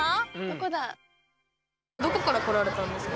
どこから来られたんですか？